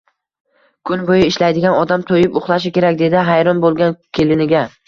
Kun bo`yi ishlaydigan odam to`yib uxlashi kerak, dedi hayron bo`lgan keliniga